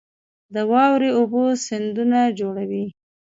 د واورې اوبه سیندونه جوړوي